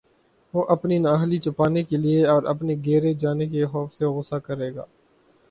وہ اپنی نااہلی چھپانے کے لیے اور اپنے گھیرے جانے کے خوف سے غصہ کرے گا